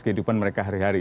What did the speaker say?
kehidupan mereka hari hari